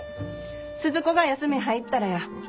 スズ子が休み入ったらや。